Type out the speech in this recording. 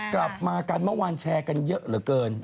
กลับมากันเมื่อวานแชร์กันเยอะเหลือเกิน